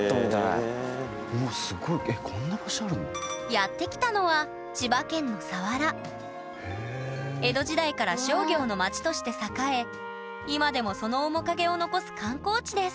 やって来たのは江戸時代から商業の町として栄え今でもその面影を残す観光地です。